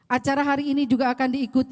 acara hari ini juga akan dipersembahkan dengan